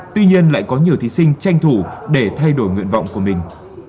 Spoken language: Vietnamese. tuy nhiên lại có nhiều thí sinh tranh thủ để thay đổi nguyện vọng của mình